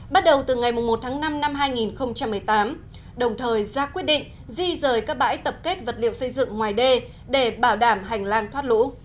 bắt đầu từ ngày một tháng năm năm hai nghìn một mươi tám đồng thời ra quyết định di rời các bãi tập kết vật liệu xây dựng ngoài đê để bảo đảm hành lang thoát lũ